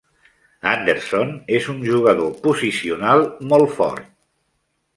Andersson és un jugador posicional molt fort.